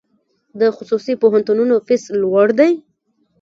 د خصوصي پوهنتونونو فیس لوړ دی؟